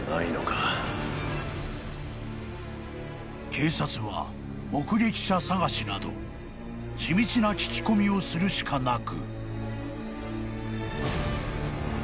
［警察は目撃者探しなど地道な聞き込みをするしかなく］